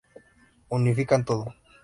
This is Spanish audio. Unifican todo.